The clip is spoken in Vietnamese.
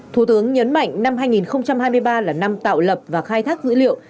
thủ tướng nhấn mạnh năm hai nghìn hai mươi ba là năm tạo lập và khai thác dữ liệu